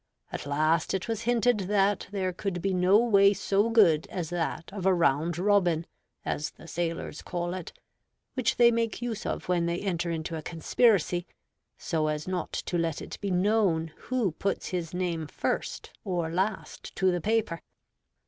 At last it was hinted that there could be no way so good as that of a 'Round Robin,' as the sailors call it, which they make use of when they enter into a conspiracy, so as not to let it be known who puts his name first or last to the paper.